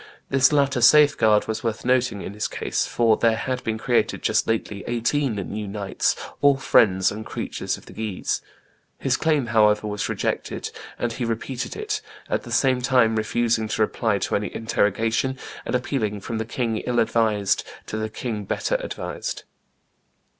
This latter safeguard was worth nothing in his case, for there had been created, just lately, eighteen new knights, all friends and creatures of the Guises. His claim, however, was rejected; and he repeated it, at the same time refusing to reply to any interrogation, and appealing "from the king ill advised to the king better advised."